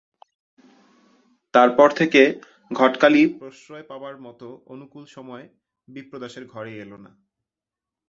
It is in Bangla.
তার পর থেকে ঘটকালি প্রশ্রয় পাবার মতো অনুকূল সময় বিপ্রদাসের ঘরে এল না।